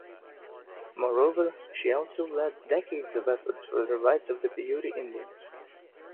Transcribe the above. Moreover, she also led decades of efforts for the rights of the Paiute Indians.